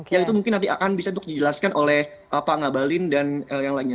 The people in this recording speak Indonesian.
yaitu mungkin nanti akan bisa dijelaskan oleh pak ngabalin dan yang lainnya